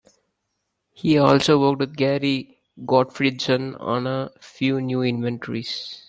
He also worked with Gary Gottfredson on a few new inventories.